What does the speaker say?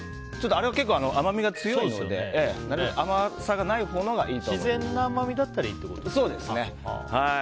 あれは結構、甘みが強いのでなるべく甘さがないほうのが自然な甘みだったらいいってことですね。